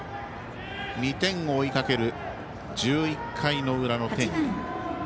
２点を追いかける１１回の裏の天理。